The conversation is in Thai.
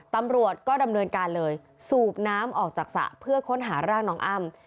ตำรวจก็ดำเนินการเลยสูบน้ำออกจากสระเพื่อค้นหาร่างน้องอ้ำ